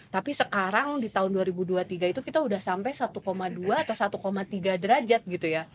tapi sekarang di tahun dua ribu dua puluh tiga itu kita sudah sampai satu dua atau satu tiga derajat gitu ya